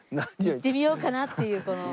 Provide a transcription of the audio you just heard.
いってみようかなっていう。